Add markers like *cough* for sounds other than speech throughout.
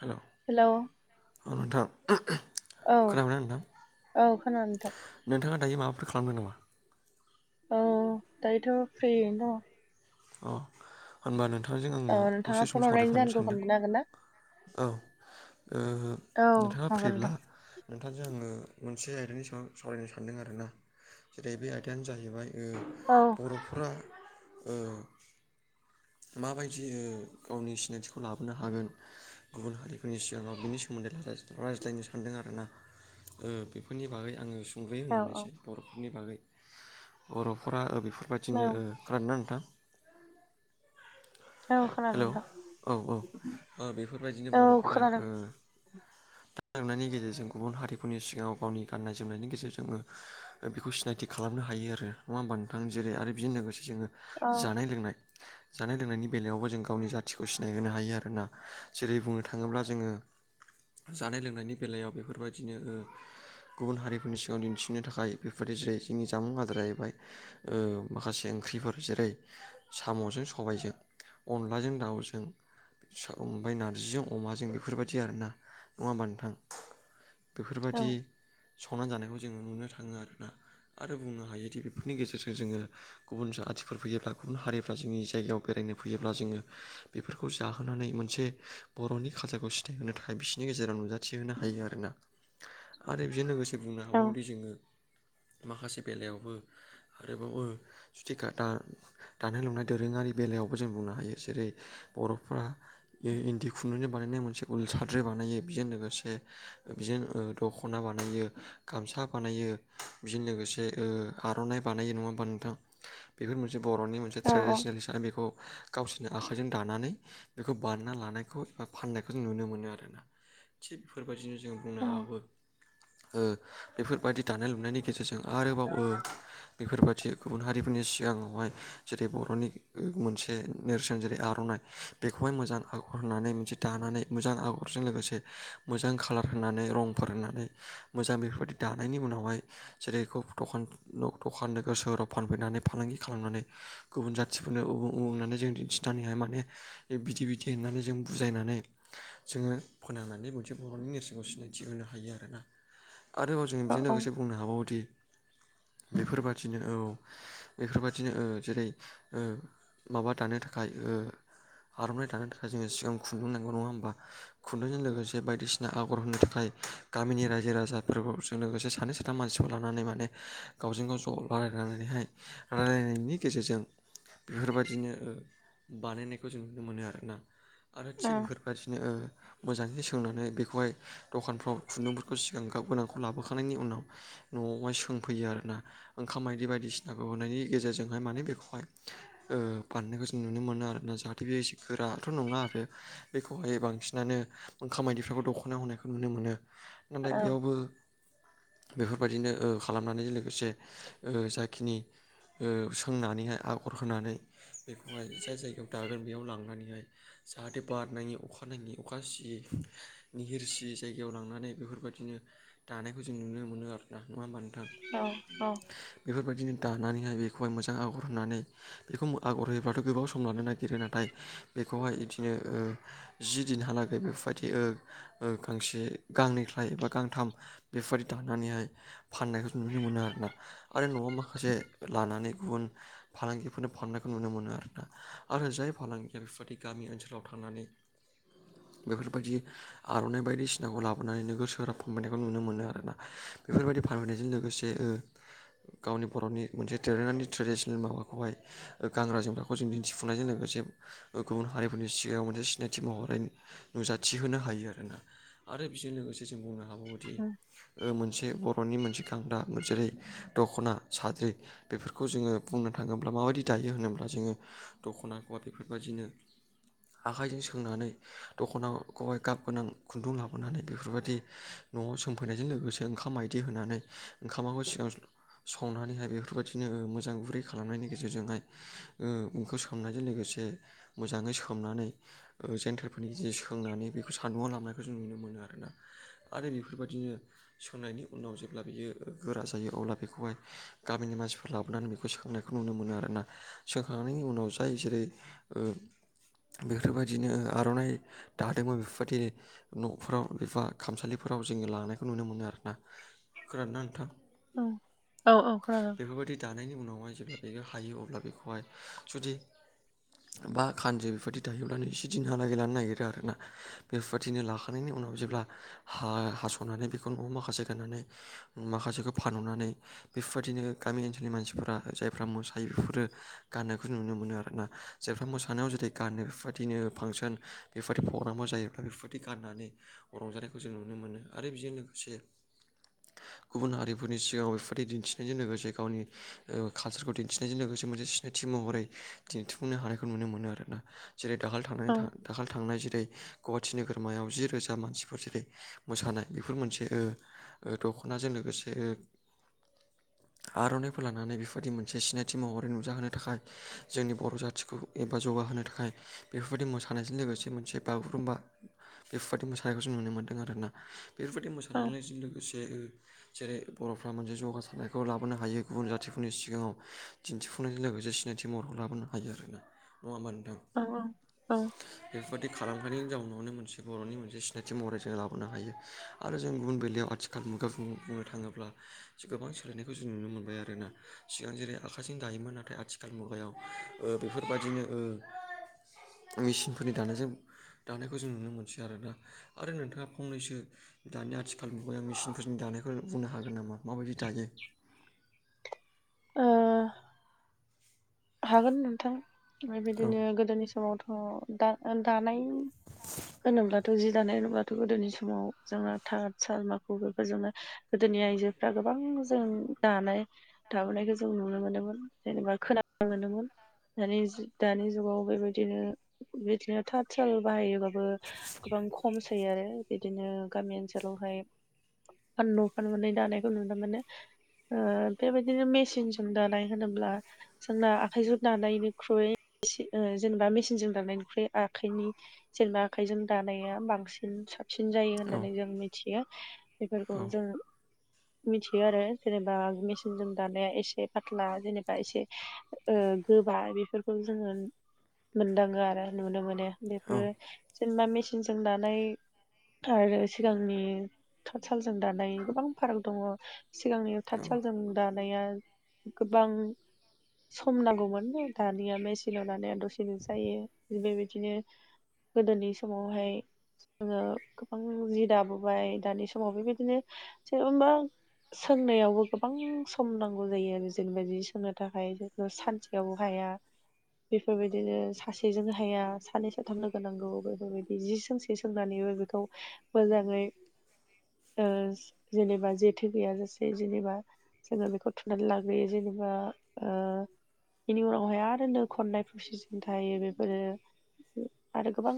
हेल' hello आ नोंथां औ खोनाबाय ना नोंथां औ खोनादों नोंथां नोंथाङा दायो माबाफोर खालामदों नामा औ दायोथ' फ्रियैनो दङ अ होनबा नोंथांजों आङो दङ औ नोंथाङा दसे सम फन हरनायनि सावरायफानो जाहोनखौ सानदों खोन्थानो औ ओ नोंथाङा हागोन फ्रिब्ला ना नोंथांजों आङो मोनसे आयदानि सायाव सावरायनो सानदों आरो ना जेरै बे आयदायानो जाहैबाय ओ औ बर'फोरा ओ माबायदि गावनि सिनायथिखौ लाबोनो हागोन गुबुन हारिफोरनि सिगाङाव बिनि सोमोन्दै रायज्लायनो सानदों आरोना उम बेफोरनि बागै आङो खुगायो *unintelligible* हागोन होनग्रोनोसै बर'फोरनि बागै बर'फोरा नोंथां औ बेफोरबायदिनो ओ खोनादों ना नोंथां औ खोनादों हेलौ नोंथां औ औ ओ बेफोरबायदिनो औ बर'फोरा खोनादों ओ जानाय लोंनायनि गेजेरजों गुबुन हारिफोरनि सिगाङाव गावनि गाननाय जोमनायनि गेजेरजोंबो बेखौ सिनायथि खालामनो हायो आरो नङा होमबा नोंथां जेरै आरो बेजों लोगोसे जोङो औ जानाय लोंनाय जानाय लोंनायनि बेलायावबो जों गावनि जाथिखौ सिनायहोनो हायो आरोना जेरै बुंनो थाङोब्ला जोङो जानाय लोंनायनि बेलायाव बेफोरबायदिनो ओ गुबुन हारिफोरनि सिगाङाव दिन्थिनो थाखाय बेफोरदि जेरै जोंनि जामुं आदारा जाहैबाय ओ माखासे ओंख्रिफोर जेरै साम'जों सबायजों अनलाजों दाउजों *unintelligible* ओमफ्राय नारजिजों अमाजों बेफोरबायदि आरोना नङा होमबा नोंथां औ बेफोरबायदि संनानै जानायखौ जोङो नुनो थाङो आरोना आरो बुंनो हायोदि बेफोरनि गेजेरजों जोङो गुबुन जाथिफोर फैयोब्ला गुबुन हारिफ्रा जोंनि जायगायाव बेरायनो फैयोब्ला जोङो बेफोरखौ जाहोनानै मोनसे बर'नि कालसारखौ सिथायहोनो थाखाय बिसोरनि गेजेराव नुजा थिहोनो हायो आरोना आरो बेजों लोगोसे बुंनो औ हाबावोदि जोङो माखासे बेलायावबो आरोबावो सुथिखा दानाय लुनाय दोरोङारि बेलायाव जों बुंनो हायो जेरै बर'फ्रा इन्दि खुन्दुंनि बानायनाय मोनसे उल साद्रि बानायो बेजों लोगोसे बिजों ओ दख'ना बानायो गामसा बानायो बिजोंनो लोगोसे आर'नाइ बानायो नङा होमबा नोंथां बेफोर मोनसे बर'नि मोनसे औ ट्रेडिसनेल हिसाबै बेखौ गावसोरनि आखाइजों दानानै बेखौ बानायना लानायखौ एबा फाननायखौ जों नुनो मोनो आरोना थिग बेफोरबायदिनो जों बुंनो औ हाबाबो बेफोरबायदि दानाय लुनायनि गेजेरजों जों आरोबावो बेफोरबादि गुबुन हारिफोरनि सिगाङावहाय जेरै बर'नि मोनसे नेरसोन जेरै आर'नाइ बेखौहाय मोजां आगर होननानै मोनसे दानानै मोजां आगरजों लोगोसे मोजां खाालार होनानै रंफोर होनानै मोजां बेफोरबायदि दानायनि उनावहाय जेरै दखान दखान नोगोर सोहोराव फानफैनानै फालांगि खालामनानै गुबुन जाथिफोरनो *unintelligible* उमुक होननानै जों दिन्थिनानैाय माने बिदि बिदि होननानै जों बुजायनानै जोङो फोनांनानै मोनसे बर'नि नेरसोनखौ सिनायथि होनो हायो आरोना आरो जों औ बेजों खोनादों औ लोगोसे बुंनो हाबावोदि बेफोरबादिनो औ बेफोरबादिनो औ जेरै माबा दानो थाखाय आर'नाइ दानो थाखाय जोङो सिगां खुन्दुं नांगौ नङा होमबा खुन्दुंजों लोगोसे बायदिसिना आगर होनो थाखाय गामिनि रायजो राजाफोरखौ जों लोगोसे सानै साथाम मानसिखौ लानानै माने गावजों गाव ज' लारायलायनानैहाइ रायलायनायनि गेजेरजों बेफोरबायदि नो बानायनायखौ जों नुनो मोनो आरोना आरो औ थिग बेफोर बेफोरबादिनो मोजाङै सोंनानै बेखौहाय दखानफ्राव खुन्दुंफोरखौ सिगां गाब गोनांखौ लाबोखांनायनि उनाव न'आवहाय सोंफैयो आरोना ओंखाम मायदि बायदिसिनाखौ होननायनि गेजेरजोंहाय माने बेखौहाय बानानायखौ जों नुनो मोनो आरोना जाहाथे बे एसे गोराथ' नङा आरो बेखौ खौहाय बांसिनानो ओंखाम मायदिफोरखौ दख'नायाव होनायखौ नुनो मोनो नाथाय बेयावबो बेफोरबायदिनो खालामनानै लोगोसे जाखिनि सोंनानैहाय आगर होनानै बेखौहाय जाय जायगायाव दागोन बेयाव लांनानैहाय जाहाथे बार नाङि अखा नाङै अखा सियै निहिरसियै जायगायाव लांनानै बेफोरबायदिनो दानायखौ जों नुनो मोनो आरोना नङा होमबा नों औ-औ बेफोरबायदिनो दानानैहाय बेखौहाय मोजां आगर होनानै बेखौ आगर होयोबाथ' गोबाव सम लानो नागिरो नाथाय बेखौहाय बिदिनो जि दिनहालागै बेफोरबायदि ओ गांसे गांनैख्लाय एबा गांथाम बेफोरदि दानानैहाय फाननायखौ नुनो मोनो आरोना आरो न'आव माखासे लानानै गुबुन फालांगि बेफोरनो फाननायखौ नुनो मोनो आरोना आरो जाय फालांगिया बेफोरबायादि गामि ओनसोलाव थांनानै बेफोरबायदि आर'नाइ बायदिसिनाखौ लाबोनानै नोगोर सोहोराव फानबोनायखौ नुनो मोनो आरोना बेफोरबायदि फानबोयनायजों लोगोसे जे ओ गावनि बर'नि मोनसे देरोङानि ट्रेडिसनेल माबाखौहाय गान्रा जोमग्राखौ जों दिन्थिफुंनायजों लोगोसे गुबुन हारिफोरनि सिगाङाव मोनसे सिनायथि महरै नुजाथि होनो हायो आरोना आरो बेजों लोगोसे जों बुंनो हाबावोदि मोनसे बर'नि मोनसे खांदा जेरै दख'ना साद्रि बेफोरखौ जोङो बुंनो थाङो माबायदि दायो होनोब्ला जोङो दख'नाखौहाय बेफोर बायदिनो आखाइजों सोंनानै दख'नाव गाब गोनां खुन्दुं लाबोनानै बेफोरबायदि न'आव सोमफैनायजों लोगोसे ओंखाम मायदि होनानै ओंखामाखौ सिगां संनानैहाय बेफोरबायदिनो मोजां गुरै खालामनायनि गेजेर गेजेरजोंहाय ओंखाम सोमनायजों लोगोसे मोजाङै सोमनानै जेन्थेरफोरनि जि सोंनानै बेखौ सान्दुंआव लनायखौ जों नुनो मोनो आरोना आरो बेफोरबायदिनो सोंनायनि उनाव जेब्ला बियो गोरा जायो अब्ला बेखौहाय गामिनि मानसिफोर लाबोनानै बेखौ सोंनायखौ नुनो मोनो मोनो आरोना सोंखांनायनि उनाव जाय जेरै बेफोरबायदिनो आर'नाइ दादोंमोन बेफोरबायदि न'फोराव एबा खामसालिफोराव जोङो लांनायखौ नुनो मोनो आरोना खोनादोंना नोंथां औ-औ-औ खोनादों बेफोरबायदि दानायनि उनावहाय जेब्ला बेयो हायो अब्ला बेखौहाय जुदि बा खानजो बेफोरबायदि दायोब्लानो एसे दिनहालागै लानो नागिरो आरोना बेफोरबायदिनो लाखांनायनि उनाव जेब्ला हा हास'नानै बेखौ न'आव माखासे गाननानै माखासेखौ फानहनानै बेफोरबायदिनो गामि ओनसोलनि मानसिफोरा जाय जफ्रा मोसायो बेफोरो गाननायखौ नुनो मोनो आरोना जेफाम मोसानायाव जेरै गानो बेबायदिनो फांसन बेफोरबायदि प्रग्रामाव जायोब्ला बेफोरदि गाननानै रंजानायखौ जों नुनो मोनो आरो बेजों लोगोसे गुबुन हारिफोरनि सिगाङाव बेफोरदि दिन्थिनायजों लोगोसे गावनि ओ कालसारखौ दिन्थिनायजों लोगोसे मोनसे सिनायथि महरै दिन्थिफुंनो हानायखौ नुनो मोनो आरोना जेरै दाखालि थां थां दाखालि थांनाय जेरै गुवाहाटि नोगोरमायाव जि रोजा मानसिफोर जेरै मोसानाय बेफोर मोनसे ओ दख'नाजों लोगोसे ओ आर'नाइफोर लानानै बेफोरदि मोनसे सिनायथि महरै नुजाहोनो थाखाय जोंनि बर' जाथिखौ एबा जौगाहोनो थाखाय बेफोरबायदि मोसानायजों लोगोसे मोनसे बागुरुम्बा बेफोरबायदि मोसानायखौ जों नुनो मोन्दों आरोना बेफोरबायदि मोसानायजों लोगोसे जेरै बर'फ्रा मोनसे जौगासारनायखौ लाबोनो हायो गुबुन जाथि फोरनि सिगाङाव दिन्थिफुंनायजों लोगोसे सिनायथि महरखौ लाबोनो हायो आरोना नङा होमबा नोंथां औ औ औ बेफोरबाददि खालामफनायनि जाउनावनो मोनसे बर'नि मोनसे सिनायथि महरै जों लाबोनो हायो आरो जों गुबुन बेलायाव आथि मुगा बुंनो थाङोब्ला गोबां सोलायनायखौ जों नुनो मोनबाय आरोना सिगां जेरै आखाइजों दायोमोन नाथाय आथिखाल मुगायाव ओ बेफोरबायदिनो ओ मेचिनफोरनि दानायजों दानायखौ जों नुनो मोनसै आरो दा आरो नोंथाङा फंनैसो दानि आथिखाल नुबाय मेसिनफोरनि दानाय फोर बुंनो हागोन नामा माबायदि दायो ओ हागोन नोंथां औ बेबायदिनो गोदोनि समावथ' दा दानाय होनोब्लाथ' जि दानाय होनोब्लाथ' गोदोनि समाव जोंङो थाथ साल मााखु बेफोर जोंनो गोदोनि आइजोफ्रा गोबां जों दानाय दाबोनायखौ जों नुनो मोनदोंमोन जेनेबा खोनानो मोनदोंमोन दानि दानि जुगाव बेबायदिनो बिदिनो थाथ साल बाहायोबा बो गोबां खमसै आरो बिदिनो गामि ओनसोलावहाय *unintelligible* मोननै दानायखौ नुनो मोनो ओ बेबायदिनो मेसिनजों दानाय होनोब्ला जोंना आखाइजों दानायनिख्रुइ जेनेबा मेसिनजों दानायनिख्रुइ आखाइनि जेनबा आखाइजों दानाया बांसिन साबसिन जायो औ होननानै जों मि थियो बेफोरखौ औ जों मिथियो आरो जेनेबा मेसिनजों दानाया एसे फाथ्ला जेनेबा एसे ओ गोबा बेफोरखौ जोङो मोनदाङो आरो नुनो मोनो औ बेफोरो जेनेबा मेचिनजों दानाय आरो सिगांनि थात सालजों दानाय गोबां फाराग दङ सिगांनि थाथ सालजों दानाया गोबां सम नांगौमोन दानिया मेसिनाव दानाया दसेनो जायो बेबायदिनो गोदोनि समावहाय जोङो गोबां जि दाबोबाय दानि स समाव बेबायदिनो जेनबा सोंनायावबो गोबां सम नांगौ जायो आरो जेनेबा जि सोंनो थाखाय बेफोरखौ सानसेयावबो हाया बेफोरबायदिनो सासेजोंनो हाया सानै साथाम लोगो नांगौ बेफोरबायदि जि सोंसे सोंनानैबो खौ मोजाङै ओ जेनेबा जेथो गैयाजासे जेनेबा जोङो बेखौ थुनानै लाग्रोयो जेनेबा ओ बेनि उनावहाय आरो नो खननाय फ्रसिसिं थायो बेफोरो आरो गोबां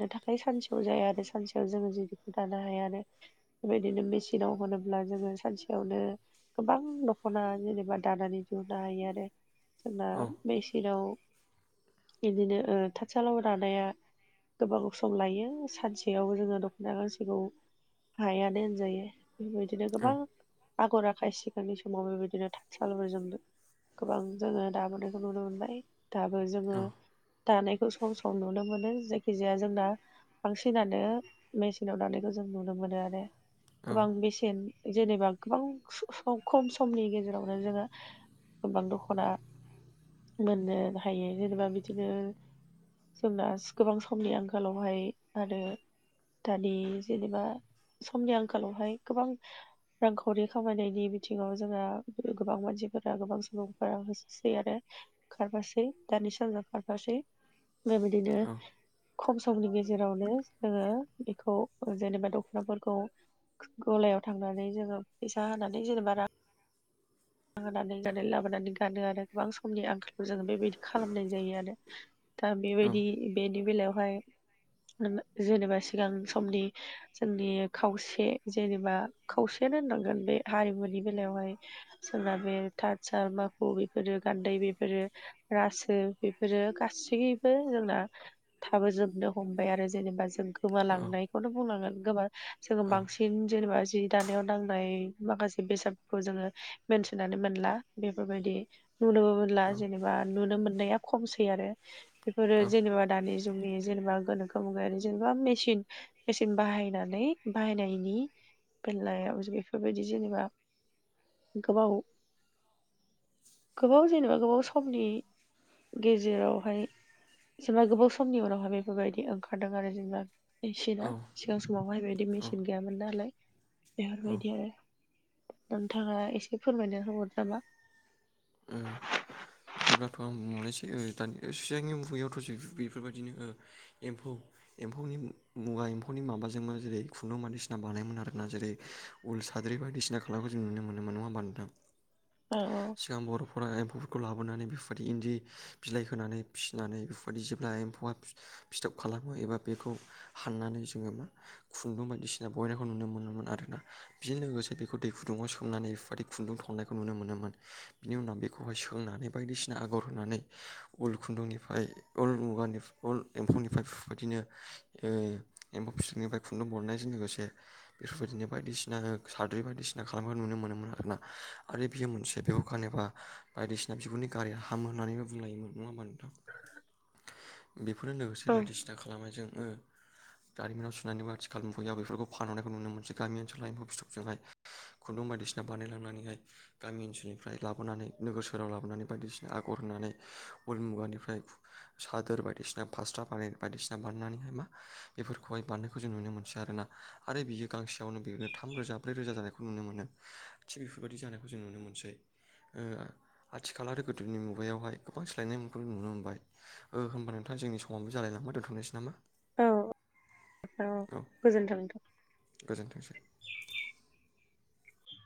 दङ थाखाय सानसेयाव जाया आरो सानसेयाव जोङो दानो हाया आरो बेबायदिनो मेसिनाव होनोब्ला जोङो सानसेयावनो गोबां द खना जेनेबा दानानै नुनो हायो आरो जोंना औ मेसिनाव बिदिनो ओ थार सालाव दानाया गोबां सम लायो सानसेयाव जोङो दख'ना गांसेखौ हायानो होनजायो बेबायदिनो गोबां आगर आखाय सिगांनि सिगांनि समाव समाव बेबायदिनो थाथसाल जों गोबां जोङो दाबोनायखौ नुनो मोनबाय दाबो औ जोङो दानायखौ सम सम नुनो मोनो जायखि जाया जोंना बांसिनानो मेसिनाव दानायखौ जों नुनो मोनो आरो गोबां बेसेन जेनेबा गोबां स *unintelligible* सम खम समनि गेजेरावनो जोङो गोबां दख'ना मोननो हायो जेनेबा बिदिनो जोंना गोबां समनि आंखालावहाय आरो दानि जेनेबा समनि आंखालावहाय गोबां रांखावरि खामायनायनि बिथिङाव जोङो गोबां मानसिफोरा गोबां सुबुंफोरा होसै आरो खारफासै दानि सामजों खारफासै बेबायदिनो खम समनि गेजेरावनो जोङो बेखौ जेनेबा दख'नाफोरखौ गलायाव थांनानै जोङो फैसा होनानै जेनेबा रां होनानै लाबोनानै गानो आरो गोबां समनि आंखाल जोङो बेबायदि खालामनाय जायो आरो दा बेबायदि बेनि बेलायावहाय जेनेबा सिगां समनि जोंनि खावसे जेनेबा खावसेयानो होननांगोन बे हारिमुनि बेलायावहाय जोंना बे थाथ साल माखु बेफोरो गानदै बेफोरो रासो बेफोरो गासैबो जोंना थाबोजोबनो हमबाय आरो जेनेबा जों औ गोमालांनायखौनो बुंनांगोन गोबा जोङो औ बांसिन जेनेबा जि दानायाव नांनाय माखासे बेसादफोरखौ जोङो मोनथिनानै मोनला बेफोरबायदि नुनोबो मोनला औ जेनेबा नुनो मोननाया खमसै आरो बेफोरो जेनेबा दानि जोंनि जेनेबा गोनोखो मुगायारि जेनेबा मेसिन मेचिन बाहायनानै बाहायनायनि बेलायाव बेफोरबायदि जेनेबा गोबाव गोबाव जेनेबा गोबाव समनि गेजेरावहाय जेनेबा गोबाव समनि उनावहाय बेफोरबायदि ओंखारदों आरो जेनेबा औ मेसिना सिगां समावहाय बेबायदि औ मेचिन गैयामोन नालाय ओ बेफोरबायदि आरो नोंथाङा एसे फोरमायना होबावदो नामा उम ओ बिदिब्लाथ' आं मोननोसै दानि सिगांनि मुगायावथ' जि बेफोरबायदिनो एम्फौ एम्फौनि मुवा एम्फौनि माबाजोंबो जेरै खुन्दुं बायदिसिना बानायोमोन आरोना जेरै उल साद्रि बायदिसिना खालामखौ जों नुनो मोनोमोन नङा होमबा नोंथां औ औ सिगां बर' एम्फौफोरखौ लाबोनानै बेफोरबायदि इन्दि बिलाइ होनानै फिसिनानै बेफोरबायदि जेब्ला एम्फौआ फिथाब खालामो एबा बेखौ हाननानै जोङो मा खुन्दुं बायदिसिना बहनायखौ नुनो मोनोमोन आरोना बेजों लोगोसे बेखौ दै गुदुङाव सोमनानै बेफोरबायदि खुन्दुं दिहोननायखौ नुनो मोनोमोन बिनि उनाव बेखौहाय सोंनानै बायदिसिना आगर होनानै उल खुन्दुंनिफ्राय उल मुगानि उल एम्फौनिफ्राय बेबायदिनो एम्फौ फिथौनिफ्राय खुन्दुं बरनायजों लोगोसे बेफोरबायदिनो बायदिसिना साद्रि बायदिसिना खालामनाय नुनो मोनोमोन आरोना आरो बियो मोनसे बेयाव दखान *unintelligible* एबा बायदिसिना बिगुरनि गाराया हामो होननानैबो बुंलायोमोन नङा होमबा नोंथां बेफोरनो लोगोसे औ बायदिसिना खालामनायजों दारिमिनाव सुनानैबो आथिखाल मुगायाव बेफोरखौ फानहरनाय नुनो मोनसै गामि ओनसोलाव फिथोबजों हाय खुन्दुं बायदिसिना बानायलांनानैहाय गामि ओनसोलनिफ्राय ओमफ्राय लाबोनानै नोगोर सहाव लाबोनानै बायदिसिना आगर होनानै उल मुगानिफ्राय सादोर बायदिसिना फासट्रा बानाय बायदिसिना बानायनानैहाय मा बेफोरखौहाय बारनायखौ जों नुनो मोनसै आरोना आरो बियो गांसेयावनो बेनो थाम रोजा ब्रै रोजा जानायखौ नुनो मोनो थिग बेफोरबायदि जानायखौ जों नुनो मोनसै। आथिखाल आरो गोदोनि मुगायावहाय गोबां सोलायनायफोरखौ नुनो मोनबाय ओ होमबा नोंथां जोंनि समावनो जालाय नङा दोनथनोसै नामा। औ औ गोजोन्थों गोजोन्थोंसै